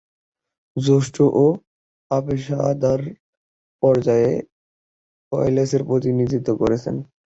জ্যেষ্ঠ ও অপেশাদার পর্যায়ে ওয়েলসের প্রতিনিধিত্ব করেছেন।